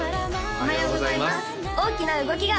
おはようございます大きな動きが！